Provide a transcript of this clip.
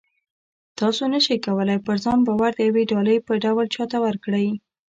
تاسې نه شئ کولی پر ځان باور د یوې ډالۍ په ډول چاته ورکړئ